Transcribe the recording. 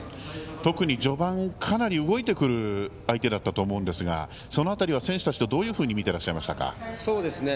特に序盤かなり動いてくる相手だったと思うんですがその辺りは選手たちとどういうふうに見ていましたか。